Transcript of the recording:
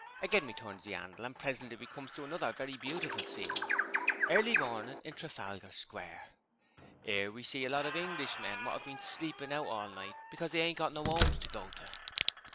Again we turns the 'andle and presently we comes to another very beautiful scene "Early Morning in Trafalgar Square". 'Ere we see a lot of Englishmen who have been sleepin' out all night because they ain't got no 'omes to go to.'